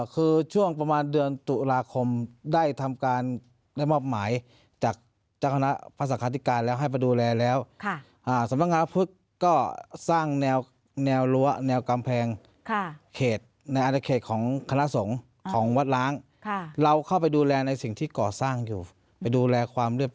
คือช่วงประมาณเดือนตุลาคม